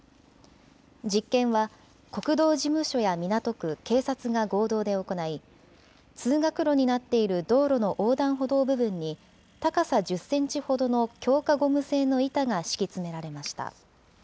実験は国道事務所や港区、警察が合同で行い、通学路になっている道路の横断歩道部分に、高さ１０センチほどの強化ゴム製の板が敷き詰められました。